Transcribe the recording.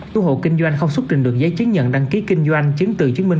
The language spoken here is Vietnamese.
các hộ kinh doanh không xuất trình được giấy chứng nhận đăng ký kinh doanh chứng từ chứng minh